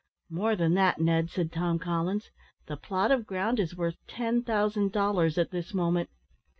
"More than that, Ned," said Tom Collins, "the plot of ground is worth ten thousand dollars at this moment.